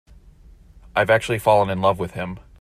I've actually fallen in love with him.